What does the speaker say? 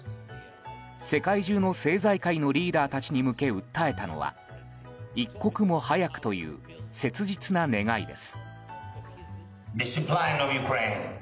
世界中の政財界のリーダーたちに向け、訴えたのは一刻も早くという切実な願いです。